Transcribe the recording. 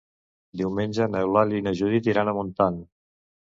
Diumenge n'Eulàlia i na Judit iran a Montant.